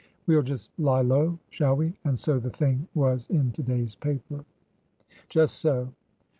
We'll just lie low, shall we ? And so the thing was in to day's paper ?"" Just so."